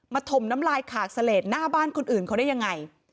ถมน้ำลายขากเสลดหน้าบ้านคนอื่นเขาได้ยังไง